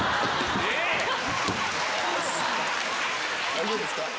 大丈夫ですか？